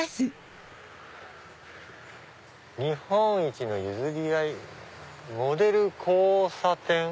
「日本一ゆずり合いモデル交差点」。